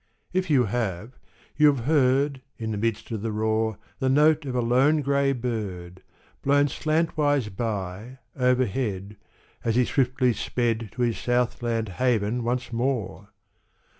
If you have, you have heard In the midst of the roar, The note of a lone gray bird, Blown slantwise by overhead As he swiftly sped To his south land haven once more